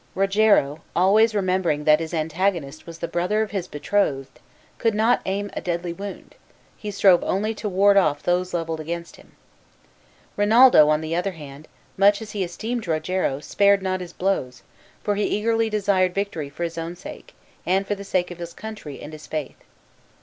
Rogero, always remembering that his antagonist was the brother of his betrothed, could not aim a deadly wound; he strove only to ward off those levelled against himself. Rinaldo, on the other hand, much as he esteemed Rogero, spared not his blows, for he eagerly desired victory for his own sake, and for the sake of his country and his faith.